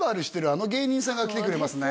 あの芸人さんが来てくれますね